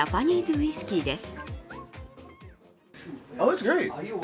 ウイスキーです。